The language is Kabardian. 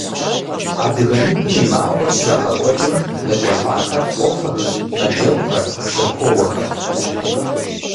Адыгэ ныпым и махуэр щрагъэкӏуэкӏым къекӏуэлӏахэр къофэхэр, мэджэгухэр, зэпоуэхэр.